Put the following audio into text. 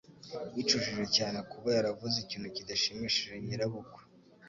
Yicujije cyane kuba yaravuze ikintu kidashimishije nyirabukwe.